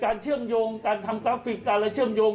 เชื่อมโยงการทำกราฟิกการและเชื่อมโยง